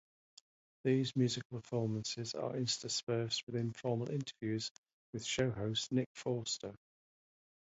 These musical performances are interspersed with informal interviews with show host Nick Forster.